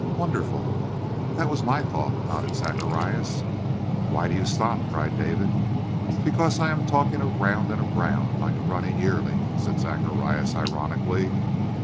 "Wonderful!" "That was my thought," nodded Zacharias. "Why do you stop?" cried David. "Because I am talking around and around, like a running yearling," said Zacharias ironically.